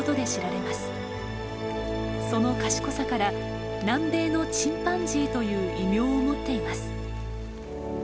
その賢さから「南米のチンパンジー」という異名を持っています。